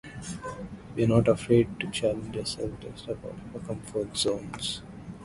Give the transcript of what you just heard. We are not afraid to challenge ourselves and step out of our comfort zones.